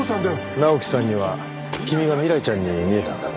直樹さんには君が未来ちゃんに見えたんだろうね。